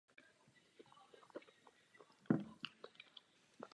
Je uvedená částka adekvátní?